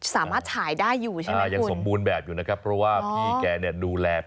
สามารถฉายได้อยู่ใช่ไหมคุณอ่ายังสมบูรณ์แบบอยู่นะครับเพราะว่าพี่แกเนี่ยดูแลเป็นอย่างนี้